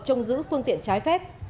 trong giữ phương tiện trái phép